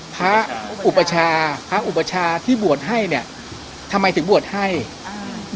พระอุปชาพระอุปชาที่บวชให้เนี้ยทำไมถึงบวชให้อ่า